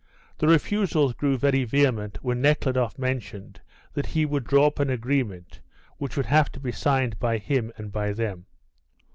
The refusals grew very vehement when Nekhludoff mentioned that he would draw up an agreement which would have to be signed by him and by them.